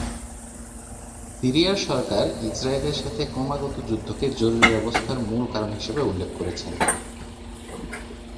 সিরিয়ার সরকার ইসরায়েলের সাথে ক্রমাগত যুদ্ধকে জরুরি অবস্থার মূল কারণ হিসেবে উল্লেখ করেছেন।